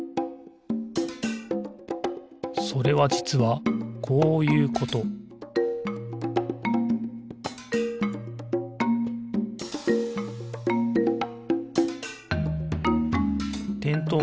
それはじつはこういうことてんとう